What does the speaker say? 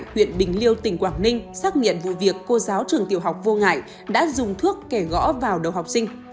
bệnh viện bình liêu tỉnh quảng ninh xác nghiện vụ việc cô giáo trường tiểu học vô ngại đã dùng thuốc kẻ gõ vào đầu học sinh